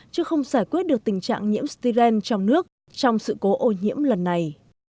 chứ không giải quyết được tình trạng nhiễm styren trong nước trong sự cố ô nhiễm lần này